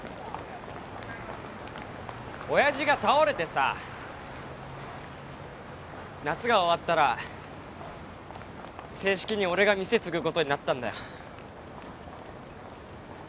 親父が倒れてさ夏が終わったら正式に俺が店継ぐことになったんだ。